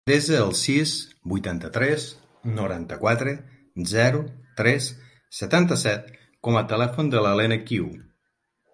Desa el sis, vuitanta-tres, noranta-quatre, zero, tres, setanta-set com a telèfon de l'Elena Qiu.